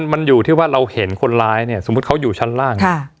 มันอยู่ที่ว่าเราเห็นคนร้ายเนี่ยสมมุติเขาอยู่ชั้นล่าง